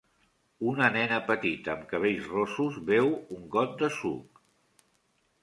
Una nena petita amb cabells rossos beu un got de suc.